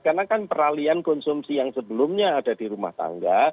karena kan peralihan konsumsi yang sebelumnya ada di rumah tangga